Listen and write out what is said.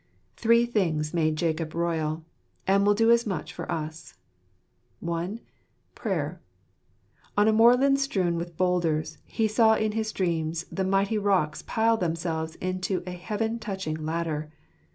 Three things made Jacob royal ; and will do as much for us. (1) Prayer. On the moorland strewn with boulders, he saw in his dreams the mighty rocks pile themselves into a heaven touching ladder.